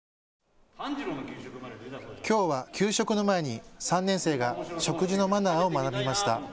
きょうは給食の前に３年生が食事のマナーを学びました。